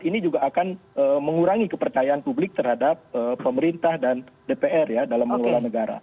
ini juga akan mengurangi kepercayaan publik terhadap pemerintah dan dpr ya dalam mengelola negara